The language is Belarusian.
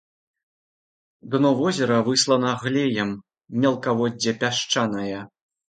Дно возера выслана глеем, мелкаводдзе пясчанае.